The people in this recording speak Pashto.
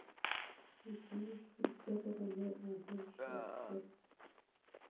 زموږ ژبه به نوره هم ښکلې شي.